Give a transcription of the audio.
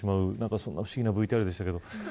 そんな不思議なＶＴＲでしたけど。